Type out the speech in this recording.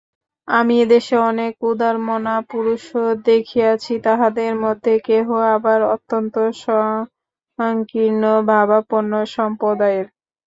আমি এদেশে অনেক উদারমনা পুরুষও দেখিয়াছি, তাঁহাদের মধ্যে কেহ আবার অত্যন্ত সঙ্কীর্ণভাবাপন্য সম্প্রদায়ের।